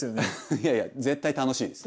いやいや絶対楽しいです。